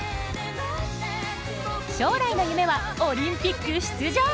将来の夢はオリンピック出場！